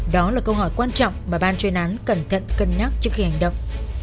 đó là câu hỏi quan trọng mà bàn truyền án cẩn thận cân nhắc trước khi hành động